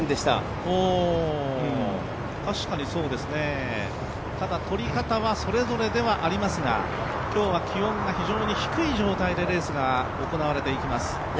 ただ、取り方はそれぞれではありますが今日は気温が非常に低い状態でレースが行われていきます。